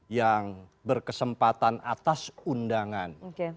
yang berkesempatan atas undangan